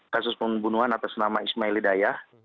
kasus pembunuhan atas nama ismail hidayah